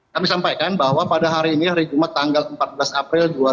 kami sampaikan bahwa pada hari ini hari jumat tanggal empat belas april dua ribu dua puluh